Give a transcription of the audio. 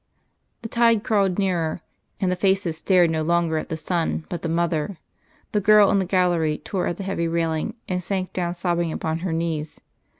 The tide crawled nearer, and the faces stared no longer at the Son but the Mother; the girl in the gallery tore at the heavy railing, and sank down sobbing upon her knees.